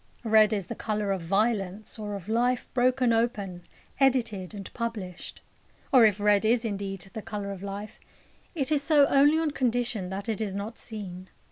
Red is the colour of violence, or of life broken open, edited, and published. Or if red is indeed the colour of life, it is so only on condition that it is not seen.